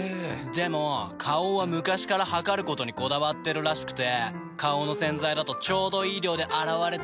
でも花王は昔から量ることにこだわってるらしくて花王の洗剤だとちょうどいい量で洗われてるなって。